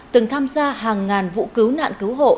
từng tham gia hàng ngàn vụ cứu nạn cứu hộ